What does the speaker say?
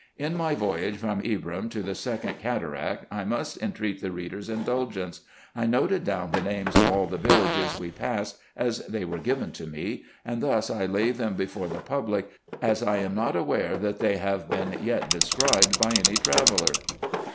In my voyage from Ibrim to the second cataract I must entreat the reader's indulgence. I noted down the names of all the vil lages we passed, as they were given to me ; and thus I lay them before the public, as I am not aware, that they have been yet de 78 RESEARCHES AND OPERATIONS scribed by any traveller.